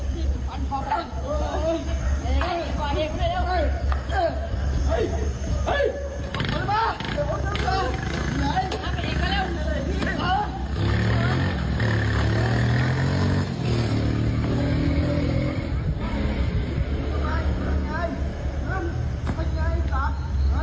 เดี๋ยวคุณผู้ชม